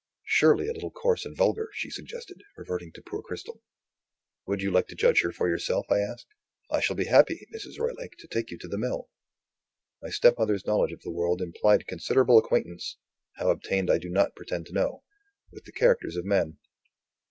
"Surely a little coarse and vulgar?" she suggested, reverting to poor Cristel. "Would you like to judge for yourself?" I asked. "I shall be happy, Mrs. Roylake, to take you to the mill." My stepmother's knowledge of the world implied considerable acquaintance how obtained I do not pretend to know with the characters of men.